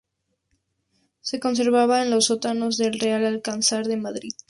Se conservaba en los sótanos del Real Alcázar de Madrid.